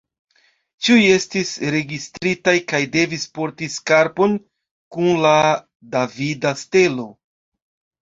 Ĉiuj estis registritaj kaj devis porti skarpon kun la davida stelo.